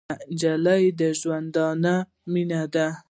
نجلۍ د ژوند مینه ده.